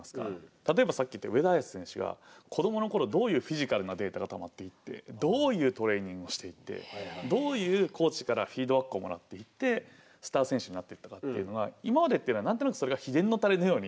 例えばさっき言った上田綺世選手が子どもの頃どういうフィジカルなデータがたまっていってどういうトレーニングをしていってどういうコーチからフィードバックをもらっていってスター選手になっていったかっていうのは今までっていうのは何となくそれが秘伝のたれのように。